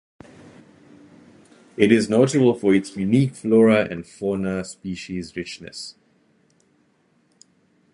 It is notable for its unique flora and fauna and species richness.